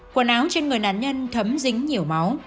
quần áo trên người nạn nhân thấm dính nhiều máu